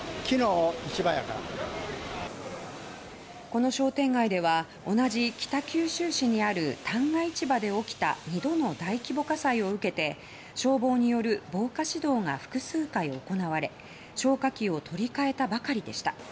この商店街では同じ北九州市にある旦過市場で起きた２度の大規模火災を受けて消防による防火指導が複数回行われ消火器を取り換えたばかりでした。